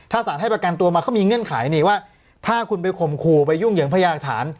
ถ้าสารให้ประกันตัวมาเขามีเงื่อนไขนี่ว่าถ้าคุณไปข่มขู่ไปยุ่งเหยิงพยากฐาน